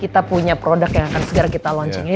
kita punya produk yang akan segera kita launchingin